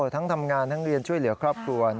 ทั้งทำงานทั้งเรียนช่วยเหลือครอบครัว